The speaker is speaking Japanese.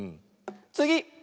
つぎ！